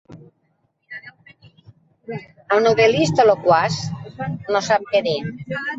El novel·lista loquaç no sap què dir.